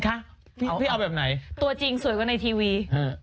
ทำไมตัวจริงสวยกว่าในทีวี